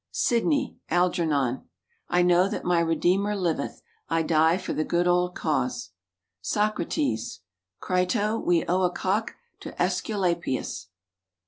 Sidney, Algernon. "I know that my Redeemer liveth. I die for the good old cause." Socrates. "Crito, we owe a cock to Aesculapius."